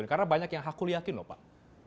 karena banyak yang hakul yakin lho pak